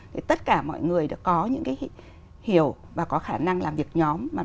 để tất cả mọi người có những cái hiểu và có khả năng làm việc nhóm